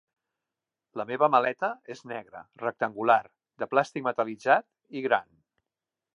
La meva maleta és negra, rectangular, de plàstic metal·litzat i gran.